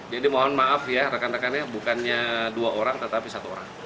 jadi mohon maaf ya rekan rekannya bukannya dua orang tetapi satu orang